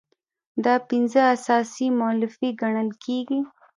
دا پنځه اساسي مولفې ګڼل کیږي.